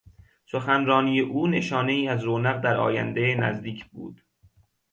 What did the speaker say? سخنرانی او که نشانهای از رونق در آیندهی نزدیک بود